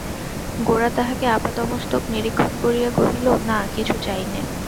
গোরা তাহাকে আপাদমস্তক নিরীক্ষণ করিয়া কহিল, না, কিছু চাই নে।